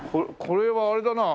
これはあれだな。